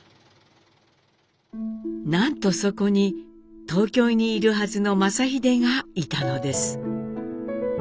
なんとそこに東京にいるはずの正英がいたのです。